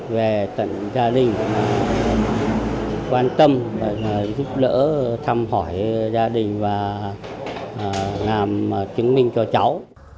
về tận gia đình quan tâm và giúp lỡ thăm hỏi gia đình và làm chứng minh cho cháu